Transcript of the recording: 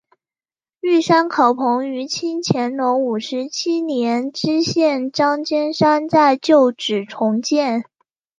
玉山考棚于清乾隆五十七年知县张兼山在旧址重建。